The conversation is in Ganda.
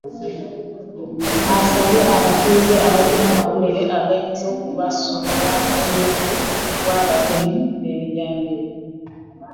Asabye abatuuze abalina amawulire agayinza okubasuula mu buufu bw'abatemu b'ebijambiya.